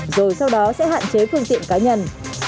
rồi sau đó sẽ hạn chế phương tiện cá nhân